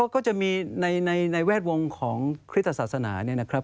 ก็จะมีในแวดวงของคริสตศาสนาเนี่ยนะครับ